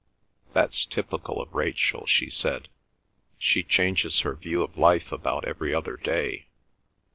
"That's typical of Rachel," she said. "She changes her view of life about every other day.